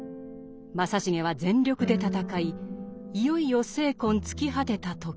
正成は全力で戦いいよいよ精魂尽き果てた時。